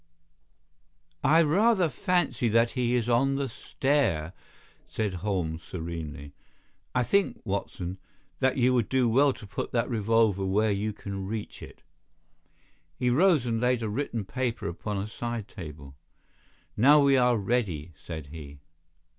"I rather fancy that he is on the stair," said Holmes, serenely. "I think, Watson, that you would do well to put that revolver where you can reach it." He rose and laid a written paper upon a side table. "Now we are ready," said he.